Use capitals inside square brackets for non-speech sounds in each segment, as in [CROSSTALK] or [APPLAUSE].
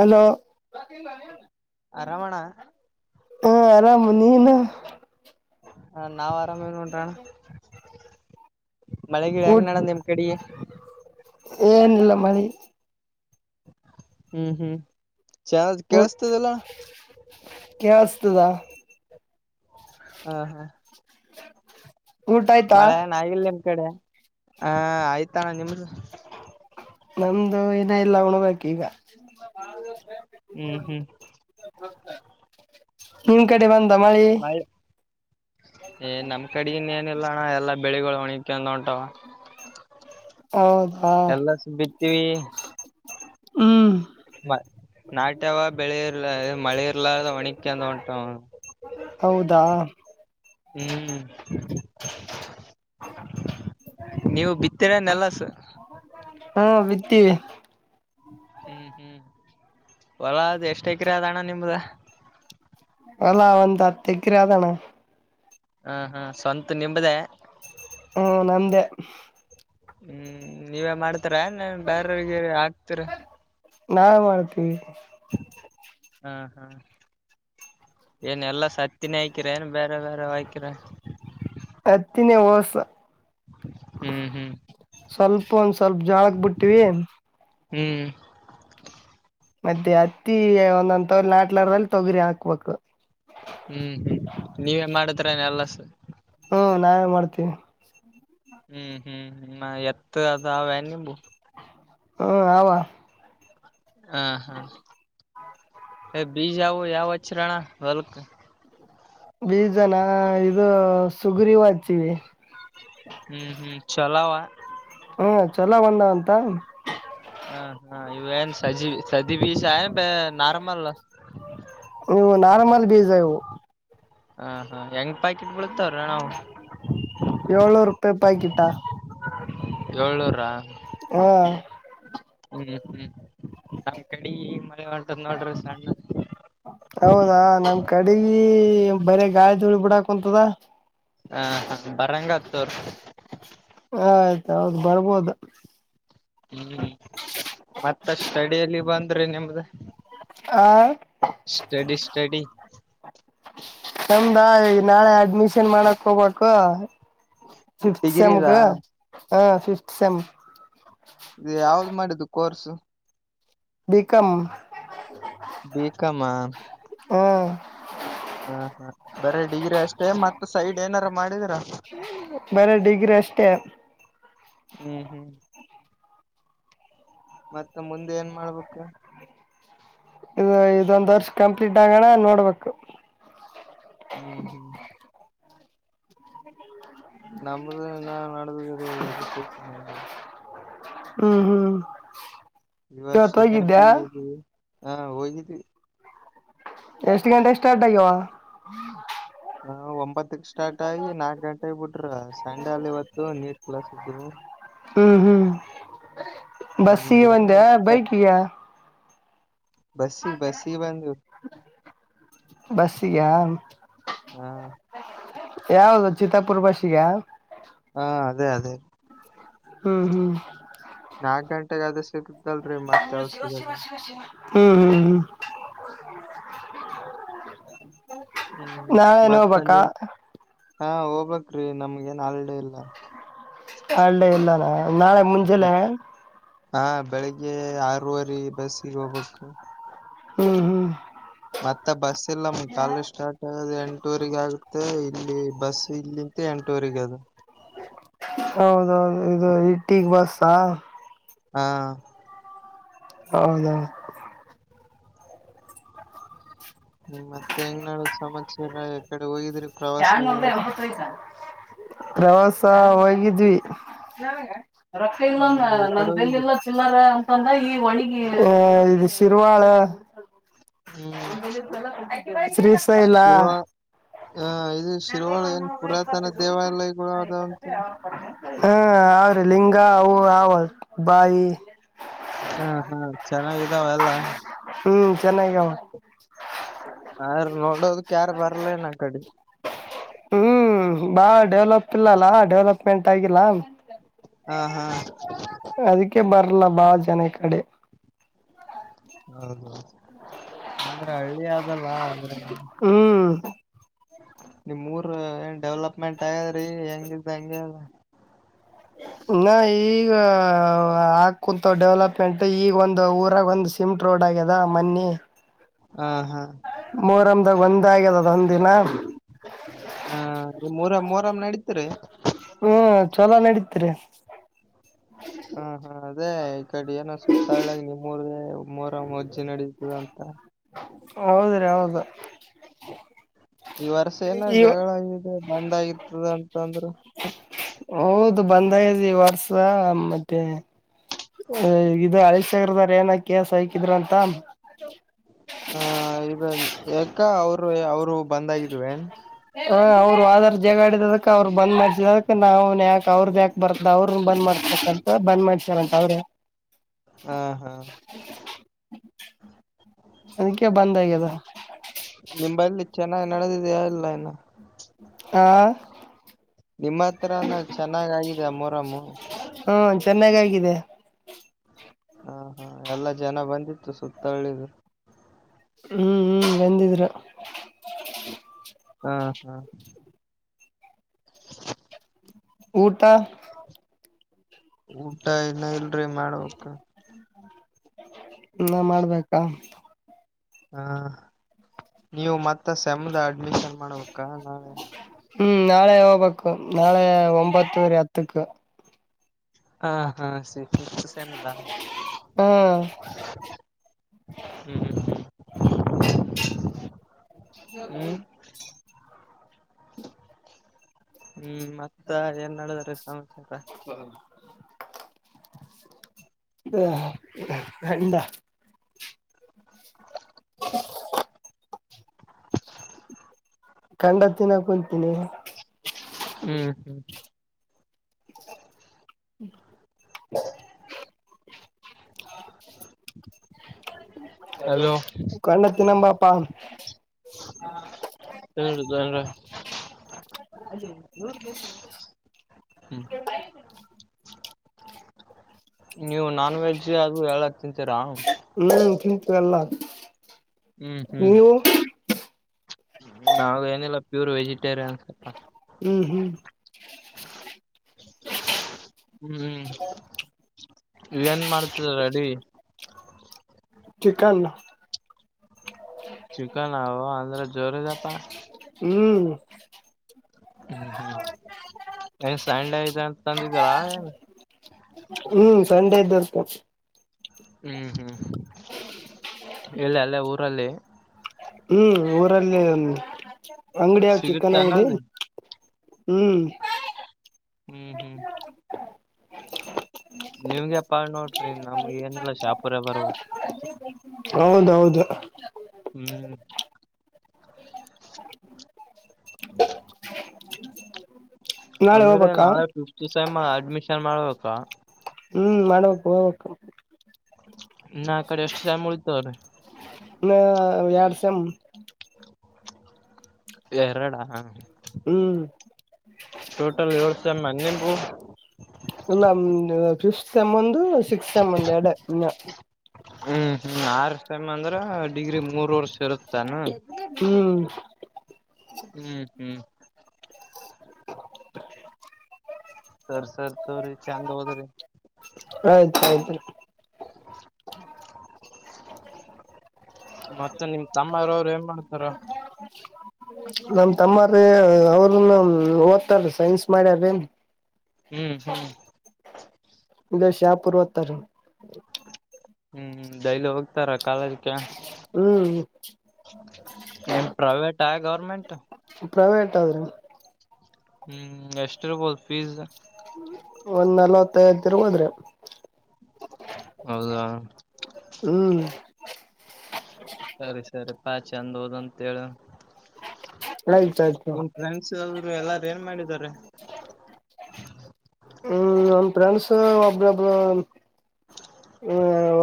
Hello ಹ್ಮ ಆರಾಮಣ ಆರಾಮು ನೀನು ಹ ನಾವ್ ಆರಾಮಿವ್ ನೋಡ್ರಣ್ಣ ಮಳೆಗಿಳೆ ಹೆಂಗ್ [UNINTELLIGIBLE] ನಿಮ್ ಕಡಿ ಏನ್ ಇಲ್ಲ ಮಳಿ ಹ್ಮ್ ಹ್ಮ್ [UNINTELLIGIBLE] ಕೇಳಸ್ತದಿಲ್ಲಣ ಕೆಳ್ಸತದ ಹಾ ಹಾ [UNINTELLIGIBLE] ಆಯ್ತಾ ಮಳೆನ್ ಆಗಿಲ್ ನಿಮ್ ಕಡೆ ಹ ಆಯ್ತಾಣ ನಿಮ್ದ ನಮ್ದು ಇನ್ನ ಎಲ್ಲ ಉಣ್ಬೇಕ್ ಈಗ ಹ್ಮ್ ಹ್ಮ್ [UNINTELLIGIBLE] ಕಡೆ ಬಂದ್ ಏ ನಮ್ ಕಡೆಗಿನ್ನಿಲ್ಲಣ್ಣ ಎಲ್ಲಾ ಬೆಳಿಗಳು [UNINTELLIGIBLE] ಹೌದಾ ಎಲ್ಲ [UNINTELLIGIBLE] ಬಿತ್ತೀವಿ ಹ್ಮ ನಾಟ್ಯವ [UNINTELLIGIBLE] ವಣಿಕಂತ ವಂಟವ ಹೌದಾ ಹ್ಮ್ [UNINTELLIGIBLE] ನೀವು [UNINTELLIGIBLE] ನೆಲ್ಲಸ್ ಹಾ ಬಿತ್ತೀವಿ ಹ್ಮ್ ಹ್ಮ್ ಹೊಲ ಅದ್ ಎಷ್ಟೆಕ್ರೆ ಅದಣ್ಣ ನಿಮ್ದ ಹೊಲ್ಲಾ ಒಂದು ಅತ್ತೆಕ್ರೆ ಅದಣ ಹ ಹಾ ಸ್ವಂತ ನಿಮ್ದೇ ಹ್ಮ ನಮ್ದೇ ಹ್ಮ್ ನೀವೇ ಮಾಡ್ತಿರ ಏನ್ ಬೇರೆವ್ರಗೆ ಹಾಕ್ತಿರ ನಾವೆ ಮಾಡ್ತಿವಿ ಹಾ ಹಾ ಏನ್ ಎಲ್ಲಾ ಸತ್ತಿನ ಹಕಿರ ಏನು ಬೇರೆ ಬೇರೆ ಅಕಿರ ಅತ್ತಿನೇ ವೋಸು ಹ್ಮ್ ಹ್ಮ್ ಸ್ವಲ್ಪ ಒಂದ್ ಸ್ವಲ್ಪ ಜಾಳಕ್ ಬಿಟ್ಟೀವಿ ಹ್ಮ್ ಮತ್ತೆ ಅತ್ತಿ ಒಂದಂದ ನಾಟ್ಲಾರದಲ್ಲಿ ತೊಗರಿ ಹಾಕ್ಬೇಕು ಹ್ಮ್ ನೀವೇನ್ ಮಾಡಿದ್ರ ಎಲ್ಲಸ ಹ್ಮ್ ನಾವೇ ಮಾಡ್ತೀವಿ ಹ್ಮ್ ಹ್ಮ್ ಹ್ಮ್ ಎತ್ತು ಅದುೆ ನಿಂಬು ಹ್ಮ್ ಆವಾ ಹಾ ಹಾ ಬೀಜ ಅವಾವ ಯಾವಚ್ಚರಣ ಹೊಲ್ಕ ಬೀಜನ ಇದು ಸುಗರಿವು ಹತೀವಿ ಹ್ಮ್ ಹ್ಮ್ ಚೊಲೋ ಅವ ಹ್ಮ್ ಚಲೋ ಒಂದ ಅಂತ ಹಾ ಹಾ ಇಏನು ಸಜ ಸದಷ ಬ ನಾರ್ಮಲ್ ನೀವು ನಾರ್ಮಲ್ ಬೀಜ ಇವು ಹ ಹಾ ಹೆಂಗ್ ಪಾಕೆಟ್ ಬಳ ತರಣ ಏಳ್ನೂರು ರೂಪಾಯಿ ಪಾಕಿಟ ಏಳ್ನೂರ ಹಾ ಹ್ಮ್ ಹ್ಮ್ ನಮ್ಮ ಕಡಿ ಮಳೆ ಹೊಂಟದ್ ನೋಡ್ರಿ ಸಣ್ಣ ಹೌದಾ ನಮ್ ಕಡೆ ಬರಿ ಗಾಳಿ ತುಳಿ ಬಿಡಕಂತದ ಹ ಹ ಬರಂಗತ್ತೂರ್ ಆ ಆಯ್ತ ಹೌದು ಬರ್ಬೋದ ಹ್ಮ್ ಮತ್ತ ಸ್ಟಡಿಯಲ್ಲಿ ಬಂದ್ರೆ ನಿಮ್ದ ಆ ಸ್ಟಡಿ ಸ್ಟಡಿ ನಮ್ದಾ ಈ ನಾಳೆ ಅಡ್ಮಿಷನ್ ಮಾಡಕ್ ಹೋಗ್ಬೇಕು ಿಫತ್ ಡಿಗ್ರಿದಾ ಸೆಮ್ಗೆ ಹ ಿಫತ್ ಸಮ್ ಇ ಯಾವ್ದ್ ಮಾಡಿದ್ದು ಕೋರ್ಸು ಬಿಿಕಮ ಬೇಕಮ್ಮ ಹ್ಮ ಹಾ ಬರ ಡಿಗ್ರಿ ಅಷ್ಟೇ ಮತ್ತತ್ ಸೈಡ್ ಏನಾರು ಮಾಡಿದಿರಾ ಬರ ಡಿಗ್ರಿ ಅಷ್ಟೆ ಹ್ಮ್ ಹ್ಮ್ ಮತ್ತ ಮುಂದೆ ಏನ್ ಮಾಡ್ಬೇಕ ಇ ಇದೊಂದ್ ವರ್ಷ ಕಂಪ್ಲೀಟ್ ಆಗೋಣ ನೋಡ್ಬೇಕು ಹ್ಮ್ ಹ್ಮ್ ನಮ್ಮದುನ್ನ ನದಜ ನಗೆ ಹ್ಮ್ ಹ್ಮ್ ಇವರ್ ಇವತ್ ಸೆಕಂಡ್ ಪ ಹೋಗಿದ್ದ್ಯಾ ಇದವಿ ಹಾ ಹೋಗಿದ್ವಿ ಎಷ್ಟು ಗಂಟೆಗೆ ಸ್ಟಾರ್ಟ್ ಆಗ್ಯ ಹ್ಮ ಒಂಬತ್ತಕ್ ಸ್ಟಾರ್ಟ್ ಆಗಿ ನಾಕ್ ಗಂಟೆಗೆಬಟ್ಟ ಸಂಡೆ ಅಲ್ಲಿ ಇವತ್ತು ನೀಟ್ ಕ್ಲಾಸ್ ಇದವು ಹ್ಮ್ ಹ್ಮ್ ಬಸ್ಗೆ ಒಂದ ನಮ್ಗೆ ಬೈಕ್ಗೆ ಬಸ್ಸಿಗೆ ಬಸ್ಸಿಗೆ ಬಂದು ಬಸ್ಗ [UNINTELLIGIBLE] ಹಾ ಯಾವ್ದ ಚಿತ್ತಾಪುರ್ ಭಾಷಗ ಹಾ ಅದೇ ಅದೇ ಹ್ಮ್ ಹ್ಮ್ ನಾಕಕ್ ಗಂಟೆಗೆ ಅದ ಸಿಗತಲ್ರಿ ಮತ್ತೆ ಅವಾವ ಸಿಗಲ್ಲ ಹ್ಮ್ ಹ್ಮ್ ಹ್ಮ್ [INAUDIBLE] [INAUDIBLE] ಹ್ಮ್ ನಾಳೆನ ಮತ್ತ ಹೋಗ್ಬೇಕಾ ನಿಮ್ ಹಾ ಹೋಗ್ ೀ ನಮ್ಗ ಏನ್ ಆಲ್ಡ ಇಲ್ಲ. ಹಳ್ಳೇ ಇಲ್ಲಾನ ನಾಳೆ ಮುಂಜೆಿಲ್ಲ [UNINTELLIGIBLE] ಹಾ ಬೆಳಿಗ್ಗೆ ಆರವರಿ ಬಸ್ಸಿಗೆ ಹೋಗ್ಬೇಕು. ಹ್ಮ್ ಹ್ಮ್. ಮತ್ತೆ ಬಸ್ ಇಲ್ಲ್ ಕಾಲಜ ಸ್ಟಾರ್ಟ್ ಆಗದ ಎಂಟೂಊಗ ಆಗ. ಮತ್ತೆ ಇಲ್ಲಿ ಬಸ್ ಇಲ್ಲಿಂತ ಎಂಟುವರೆಗೆ. ಹೌದೌದು ಇದು ಇಟ್ಟಿಗೆ ಬಸ್ಾ. ಹಾ. ಹೌದ. ಹ್ಮ್ ಮತ್ತೆ ಹೆಂಗ ನಾಳ ಸಮಸ್ಯ ಇರ ಯಕಡೆ ಹೋಗಿದ್ರಿ. ಪ್ರವಾಸ ನ್ ಒಬ ಗಿವಾಸ ಹೊತ್ಯ್ತ. ಪ್ರವಾಸ ಹೋಗಿದ್ವಿ. ರೊಕ್ಕ ಎಲ್ಲಂದ ಹ್ಮ್ ಎಕಡೆ ನನ್ ಬೆಲ್ ಹೋಗಿದ್ರಿ ಎಲ್ಲಾ ಚಿಲ್ಲಾರ ಅಂತಂದ್ರ ಈ ಒಣಿ. ಹ ಇದು ಶಿರುವಾಳ. ಹ್ಮ್ ಹು ಶಿರ್ವ ಆ ಇದು ನನ್ ಶಿರ್ವಾಳ ಏನ್ ಒಂದರ್ತ ಪುರಾತನ ಅವ. [UNINTELLIGIBLE] ದೇವಾಲಯಗಳು ಅದಾವಂತ ಹ್ಮ ಅವ್ರಿ ಲಿಂಗ ಅವು ಅವವಲ್ ಬಾಯಿ. ಹಾ ಹಾ ಚೆನ್ನಾಗಿದಾವ ಎಲ್ಲ ಹ್ಮ್ ಚೆನ್ನೈಗಾವ. [UNINTELLIGIBLE] ಕ್ಯಾರ ಭರಲ ನ ಕಡಿ. ಬಾ ಡೆವಲಪ್ ಇಲ್ಲಲ್ಲಾ ಡೆವಲಪ್ಮೆಂಟ್ ಆಗಿಲ್ಲ. ಹಾ ಹಾ. ಅದಕ್ಕೆ ಬರ್ಲ್ಲ ಬಾಳ ಜನ ಕಡೆ. ಹೌದೌದು ಅಂದ್ರೆ ಹಳ್ಳಿ ಆದಲ್ವಾ ಅ್ರೆ. ಹ್ಮ್. ನಿಮ್ ರ್ ಏನ್ ಡೆವ್ಲಪ್ಮೆಂಟ್ ಆಯದ್ರಿ ಹೆಂಗ ಹೆಂಗಗೆ. ಹ [INAUDIBLE] [UNINTELLIGIBLE] ನಾ ಈಗ ಆಾ ಕುೂಂತ ಡೆವಲಪ್ಮೆಂಟ್ ಈಗ ಒಂದು್ ಊರಾಗ ಒಂದ್ ಸಿಮೆಂಟ್ ರೋಡ್. ದಾ ಮನ್ನಿ [UNINTELLIGIBLE] ಹಾ ಹಾ. ಮೋರಮದಾಗ ಒಂದ್ ಆಗ್ಯದ ಅದಂದ. ಹಾ ಮೂರ ಮೂರಮ್ಮ್ ನಡೀತರಿ. ಹ್ಮ್ ಚಲೋ ನಡೀತರಿ. ಹಾ ಹಾ ಅದೇ ಈ ಕಡೆ ಏನೋ ಸುತ್ತಾಲ ನಿಮ್ಮೂರ್ ಒೂರ ಮದ್. ಚೆ ನಡೀತದ ಅಂತ. ಹ [INAUDIBLE] ಈ ವರ್ಷ ಏನ ಜಗಳಗಿದೆ ಬಂದ್ ಆಗಿತದ ಅಂತಂದ್ರರು. ಹೌದು ಬಂದೈ ವರ್ಷ ಮತ್ತೆ ಇದು. ಗರ್ದಾರ ಏನ ಕಸ ಹಕಿದ್ರ ಅಂತ. ಹ ಇದ ಯಾಕ ಅವರು ಅವರು. ಬಂದಾಗಿದ್ವೆ ಹ ಅವರು ಆಾರ್ ಜಗ ಆಡಿದದ. ಅವ್ರರು ಬಂದ್ ಮಜ್ಜದಕ್ ನಾವುನ್ ಯಾಕಕ್ ಅವ್ರದ. ಬರ್ತ ಅವ್ರ ಬಂದ್ ಮಾಡ್ತಂತ ಬಂದ್ ಮಾಡ್ಸಾರಂತ ಅವ್ರೆ. ಹ ಹಾ [UNINTELLIGIBLE] ಅದಕ್ಕೆ ಬಂದಾಗ್ಯದ. ಚೆನ್ನಾಗಿ್ ನಡೆದಿದೆಲ್ಲ ಇನ್ನು ಹ. ನಿಮ್ಮ ಹತ್ರಾನ ಚೆನ್ನಾಗ್ ಆಗಿದ ಮೊರಮ್ಮು. ಹ್ಮ [UNINTELLIGIBLE] ಹಾ ಹಾ ಎಲ್ಲ ಜನ ಬಂದಿತ್ತು ಸುತ್ತಳ್ಳಿದ್ರು. ಹ್ಮ್ ಹ್ಮ್ ಬಂದಿದ್ರೂ ಹಾ ಹಾ ಊಟ ಊಟ ಇನ ಇಲ್ರಿ ಮಾಡವಕ್ [UNINTELLIGIBLE] ನಾ ಮಾಡ್ಬೇಕಾ ಹ ನೀವು ಮತ್ತ ಸೆಂದ ಅಡ್ಮಿಷನ್ ಮಾಡ್ಬೇಕಾ ನಾ [UNINTELLIGIBLE] ಹ್ಮ್ ನಾಳೆ ಹೋಗ್ಬೇಕು ನಾಳೆ ಒಂಬತ್ತುರಿ ಹತ್ತಕ್ ಹಾ ಹಾ ಸಿ ಸೇಮ್ ದ ಹ್ಮ ಹ್ಮ್ ಹ್ಮ್ ಹ್ಮ್ ಹ್ಮ್ ಹ್ಮ್ ಮತ್ತ ಏನ್ ನಡದಾರೆ ಹ ಸ [UNINTELLIGIBLE] ಹ ಎಂದ [UNINTELLIGIBLE] [INAUDIBLE] [UNINTELLIGIBLE] ಖಂಡತ್ತಿನ ಕುಂತೀನಿ ಹ್ಮ್ ಹ್ಮ್ ಹ್ಮ [UNINTELLIGIBLE] [INAUDIBLE] ಹಲೋ ಕ್ಣ ತಿನಂಬಾಪಾ ನ್ ತ [UNINTELLIGIBLE] [INAUDIBLE] ಹ [UNINTELLIGIBLE] ನೀವು ನಾನ್ ವೆಜ್ ಅದು ಹೇಳಕ್ಕೆ [UNINTELLIGIBLE] ಹ್ಮ ತಿಂತಿನಲ್ಲ ಹ್ಮ್ ಹ್ಮ್ ನಾವ ಏನಿಲ್ಲ ಪ್ಯೂರ್ ವೆಜಿಟೇರಿಯನ್ ಹ್ಮ್ ಹ್ಮ್ ಹ್ಮ್ ಏನ್ ಮಾಡ್ತಿದಿರಿ ಅಡಿಗೆ ಚಿಕನ್ ಚಿಕನ್ ಹ ಅಂದ್ರೆ ಜೋರ ಇದಪ್ಪಾ ಹ್ಮ್ ಹ್ಮ್ ಹ್ಮ್ ನ ಸಂಡ ಆಯತ [UNINTELLIGIBLE] ಹ್ಮ್ ಸಂಡೆ [UNINTELLIGIBLE] ದರ್ತ ಹ್ಮ್ ಹ್ಮ್ ಇಲ್ಲಿ ಅಲ್ಲೇ ಊರಲ್ಲಿ ಹ್ಮ್ ಊರಲ್ಲಿ ಅಂಗಡಿ ಯ ಚಿಕನ್ ಸಿಗುತ್ತಾನ ಅಂಗಡಿ ಅಲ್ಲಿ ಹ್ಮ್ ಹ್ಮ್ ಹ್ಮ್ ನಿಮ್ಗೆಪ್ಪಾ ನೋಡ್ರಿ ನಮ್ಗ ಏನಿಲ್ಲ ಶಾಪುರ ಬರ ಹೌದೌದು ಹ್ಮ್ [UNINTELLIGIBLE] [INAUDIBLE] ನಾಳೆ ಅಂದ್ರೆ ಹೋಗ್ಬೇಕಾ ನಾಳೆ ಫಿಫ್ತ್ ಸೆಮ್ ಅಡ್ಮಿಷನ್ ಮಾಡ್ಬೇಕಾ ಹ್ಮ್ ಮಾಡ್ಬೇಕು ಹೋಗಬೇಕು ನಾ ಕಡೆ ಎಷ್ಟ [UNINTELLIGIBLE] ನ [INAUDIBLE] ಎರಡ್ ಸೇಮ್ ಎರಡ ಹ್ಮ್ ಟೋಟಲ್ ಏಳು ಸಮ್ ಏನ್ ನಿಮಗೂ ಇಲ್ಲ ಫಿಫ್ತ್ ಸೇಮ್ ಒಂದು ಸೆಕ್ಸ್ತ್ ಸೇಮ್ ಒಂದ್ ಎರಡೇ ಇನ್ನ ಹ್ಮ್ ಹ್ಮ್ ಆರ್ ಸೆಮ್ ಅಂದ್ರ ಡಿಗ್ರಿ ಮೂರ್ ವರ್ಷ ಇರುತ್ತಾನ ಹ್ಮ್ ಹ್ಮ್ ಹ್ಮ್ ಸರ್ ಸರ್ತವ್ರಿ ಚಂದ್ ಹೋದ್ರಿ. ಆಯ್ತ ಆಯ್ತು. [INAUDIBLE] ಮತ್ತೆ ನಿಮ ತಮ್ಮರವರು ಏನ್ ಮಾಡ್ತಾರ? ನಮ ತಮ್ಮಾರ ಅವ್ರನು ಓದ್ತಾರ ಸೈನ್ಸ್ ಮಾಡ್ಯಾರ ಏನ್. ಹ್ಮ್ ಹ್ಮ್ ಇಲ್ಲೇ ಶಾಂಪೂರ್ ಓದ್ತಾರೀ. ಹ್ಮ್ ಡೈಲಿ ಹೋಗ್ತಾರ ಕಾಲೇಜ್ ಕ ಹ್ಮ್ ಏನ್ ಪ್ರೈವೇಟಾ ಗೌರ್ಮೆಂಟಾ? ಪ್ರೈವೇಟ್ ಆದ್ರೆ. ಹ್ಮ್ ಎಷ್ಟಿರ್ಬೋದು ಫೀಸು? ಒಂದ್ ನಲ್ವತ್ತೈವತ್ತ್ ಇರ್ಬೋದ್ರಿ. ಹೌದಾ? ಹ್ಮ್ ಸರಿ ಸರಿಪಾ ಚಂದ್ ಹೋದಂತೇಳು. ಆಯ್ತ ಆಯ್ತು ನಿಮ ಫ್ರೆಂಡ್ಸ್ ಅವ್ರು ಎಲ್ಲಾರು ಏನ್ ಮಾಡಿದ್ದಾರೆ? ಹ್ಮ್ ನನ್ ಫ್ರೆಂಡ್ಸ್ ಒಬ್ಬೊಬ್ಬರು [INAUDIBLE] ಹ್ಮ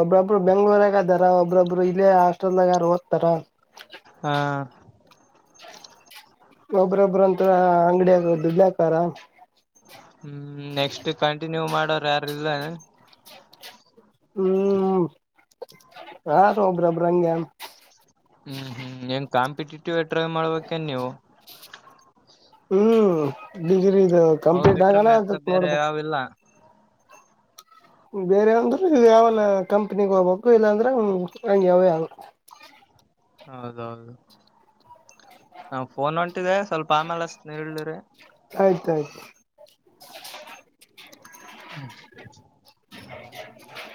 ಒಬ್ಬ್ರೊಬ್ಬರು ಬೆಂಗ್ಳೂರಾಗದಾರ ಒಬ್ಬ್ರೊಬ್ರು ಇಲ್ಲೇ ಹಾಸ್ಟೆಲ್ದಾಗಾರು ಓದ್ತಾರ. ಹಾ ಒಬ್ರೊಬ್ರು ಅಂತ ಅಂಗಡಿ ಆಗದು [UNINTELLIGIBLE] ಹ್ಮ್ ನೆಕ್ಸ್ಟ್ ಕಂಟಿನ್ಯೂ ಮಾಡೋರು ಯಾರಿಲ್ಲ? ಹ್ಮ್ ಹ [UNINTELLIGIBLE] ಹ್ಮ್ ಹ್ಮ್ ಏನ್ ಕಾಂಪಿಟೇಟಿವ್ ಟ್ರೈ ಮಾಡ್ಬೇಕನ್ ನೀವು? ಹ್ಮ್ [UNINTELLIGIBLE] ಇದು ಅವು ಕಂಪ್ಲೀಟ್ ಬಿಟ್ರೆ ಆಗಣ ಮ್ಯಾತ್ ಅದಕ್ ಬೇರೆ ನೋಡ್ಬೇಕು. ಯಾವಿಲ್ಲ ಬೇರೆ ಅಂದ್ರ ಯಾವನ ಕಂಪ್ನಿಗ್ ಹೋಗ್ಬೇಕು ಇಲ್ಲಾಂದ್ರೆ ಹಂಗ್ಯಾವೇ ಯಾವ ಹೌದೌದು ಫೋನ್ಂ ಟ್ಟದೆ ಸ್ವಲ್ಪ ಆಮೇಲೆ ಹಚ್ಚ್ತಿನಿಳ್ಳಿರಿ. ಆಯ್ತಾಯ್ತು. ಹ್ಮ [INAUDIBLE]